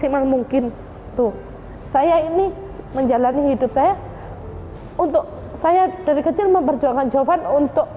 cuman mungkin tuh saya ini menjalani hidup saya untuk saya dari kecil memperjuangkan jawaban untuk